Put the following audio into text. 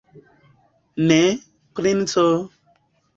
Ne, princo!